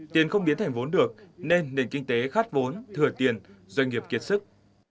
tiền không biến thành vốn được nên nền kinh tế khát vốn thừa tiền doanh nghiệp kiệt sức